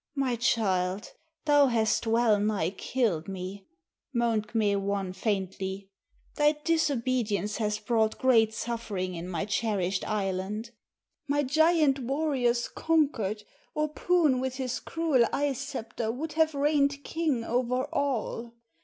"My child, thou hast well nigh killed me," moaned K'me wan faintly. "Thy disobedience has brought great suffering in my cherished island. My giant warriors conquered or Poon with his cruel ice scepter would have reigned king over all.